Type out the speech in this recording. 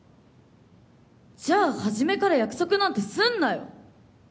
じゃあ初めから約束なんてすんなよ！